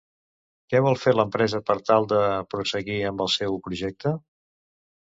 Què vol fer l'empresa per tal de prosseguir amb el seu projecte?